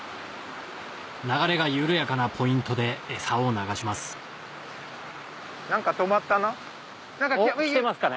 流れが緩やかなポイントで餌を流します来てますかね？